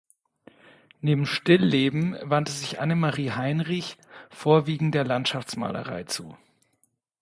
Neben Stillleben wandte sich Annemarie Heinrich vorwiegend der Landschaftsmalerei zu.